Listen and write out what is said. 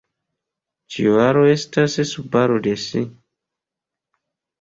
Ĉiu aro estas subaro de si.